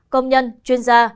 công nhân chuyên gia